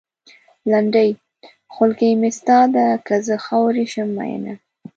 لنډۍ؛ خولګۍ مې ستا ده؛ که زه خاورې شم مينه